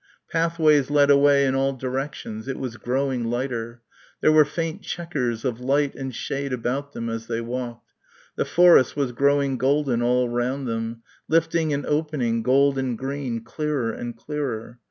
Pathways led away in all directions. It was growing lighter. There were faint chequers of light and shade about them as they walked. The forest was growing golden all round them, lifting and opening, gold and green, clearer and clearer.